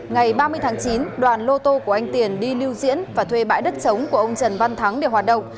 ngày ba mươi tháng chín đoàn lô tô của anh tiền đi lưu diễn và thuê bãi đất chống của ông trần văn thắng để hoạt động